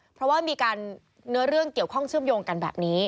เพราะว่ามีการเนื้อเรื่องเกี่ยวข้องเชื่อมโยงกันแบบนี้